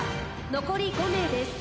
残り５名です。